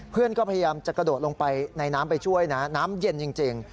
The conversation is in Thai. เพื่อนก็พยายามจะกระโดดลงไปในน้ำไปช่วยนะน้ำเย็นจริง